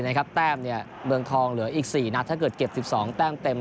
เนี้ยเนี้ยเมืองทองเหลืออีกสี่นัดถ้าเกิดเก็บ๑๒แป้มเต็มแล้ว